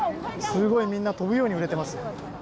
みんな飛ぶように売れています。